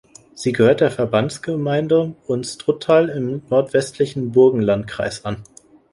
Sie gehört der Verbandsgemeinde Unstruttal im nordwestlichen Burgenlandkreis an.